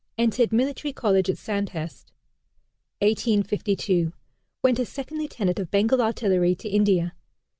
Entered military college at Sandhurst. 1852. Went as second lieutenant of Bengal Artillery to India.